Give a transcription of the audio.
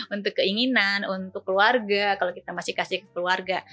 untuk keinginan untuk keluarga kalau kita masih kasih ke keluarga